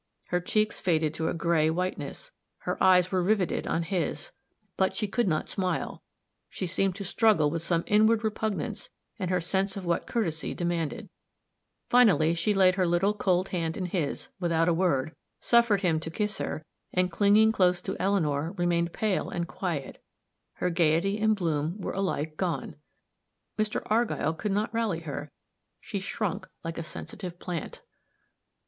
Her cheeks faded to a gray whiteness; her eyes were riveted on his, but she could not smile; she seemed to struggle with some inward repugnance and her sense of what courtesy demanded; finally she laid her little cold hand in his, without a word, suffered him to kiss her, and, clinging close to Eleanor, remained pale and quiet her gayety and bloom were alike gone. Mr. Argyll could not rally her she shrunk like a sensitive plant.